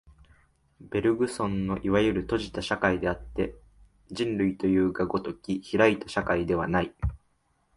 ベルグソンのいわゆる閉じた社会であって、人類というが如き開いた社会ではない。